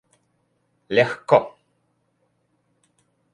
легко